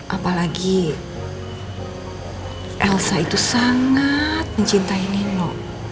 apalagi elsa itu sangat mencintai nino